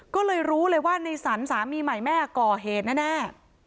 ก็เลยรู้เลยว่าในสรรสามีใหม่แม่ก่อเหตุแน่